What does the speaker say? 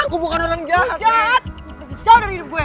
aku bukan orang jahat